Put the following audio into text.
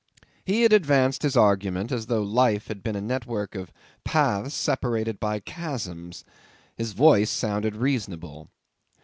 He had advanced his argument as though life had been a network of paths separated by chasms. His voice sounded reasonable.